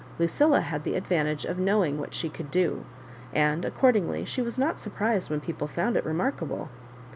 LuciUa had the advantage of knowing what she could do, and accordingly she was not surprised when people found it remarkable.